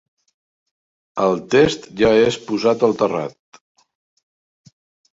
El test ja és posat al terrat.